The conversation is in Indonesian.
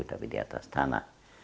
tapi di atas tanah